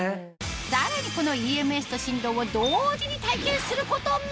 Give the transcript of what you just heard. さらにこのＥＭＳと振動を同時に体験することも！